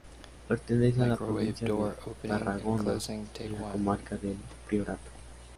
Pertenece a la provincia de Tarragona, en la comarca del Priorato.